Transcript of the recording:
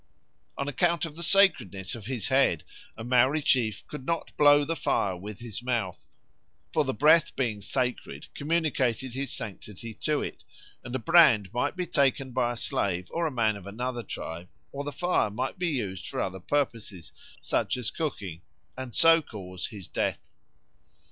On account of the sacredness of his head a Maori chief "could not blow the fire with his mouth, for the breath being sacred, communicated his sanctity to it, and a brand might be taken by a slave, or a man of another tribe, or the fire might be used for other purposes, such as cooking, and so cause his death."